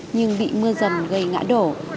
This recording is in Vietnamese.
nhưng bị mưa dầm gây ngã đổ